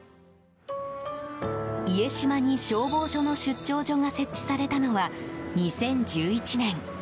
家島に、消防署の出張所が設置されたのは２０１１年。